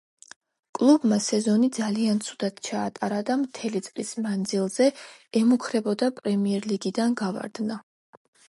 კლუბმა სეზონი ძალიან ცუდად ჩაატარა და მთელი წლის მანძილზე ემუქრებოდა პრემიერლიგიდან გავარდნა.